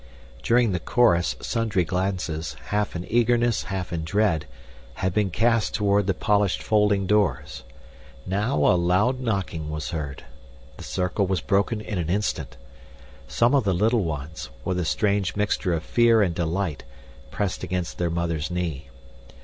During the chorus sundry glances, half in eagerness, half in dread, had been cast toward the polished folding doors. Now a loud knocking was heard. The circle was broken in an instant. Some of the little ones, with a strange mixture of fear and delight, pressed against their mother's knee.